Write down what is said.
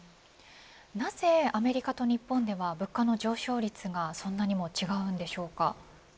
なぜアメリカと日本では物価の上昇率がそんなにも違うんでしょうか。